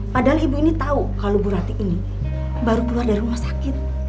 padahal ibu ini tahu kalau bu rati ini baru keluar dari rumah sakit